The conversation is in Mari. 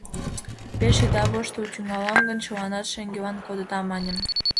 Пеш ида воштыл, тӱҥалам гын, чыланат шеҥгелан кодыда! — маньым.